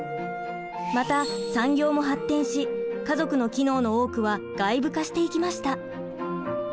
また産業も発展し家族の機能の多くは外部化していきました。